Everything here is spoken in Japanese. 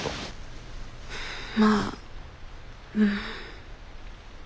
まあうん。